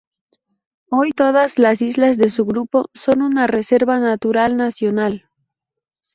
Hoy todas las islas de su grupo son una reserva natural nacional.